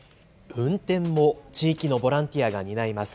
運転も地域のボランティアが担います。